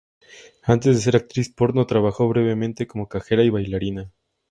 Antes de ser actriz porno, trabajó brevemente como cajera y bailarina.